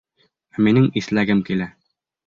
Ә минең иҫләгем килә.